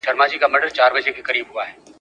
حقوق او واجبات د ټولنې ستنې دي.